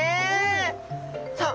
さあ